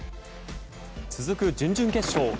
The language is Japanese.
続く準々決勝。